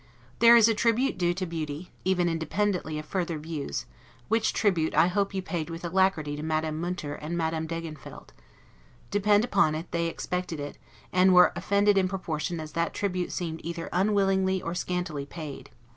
There is a tribute due to beauty, even independently of further views; which tribute I hope you paid with alacrity to Madame Munter and Madame Degenfeldt: depend upon it, they expected it, and were offended in proportion as that tribute seemed either unwillingly or scantily paid.